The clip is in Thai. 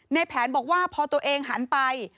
ในแผนบอกว่าพอตัวเองหันไป